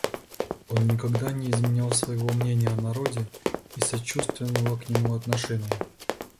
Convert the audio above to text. Он никогда не изменял своего мнения о народе и сочувственного к нему отношения.